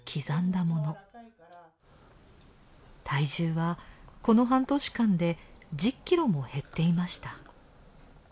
体重はこの半年間で１０キロも減っていました。